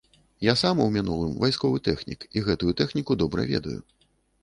Я сам у мінулым вайсковы тэхнік і гэтую тэхніку добра ведаю.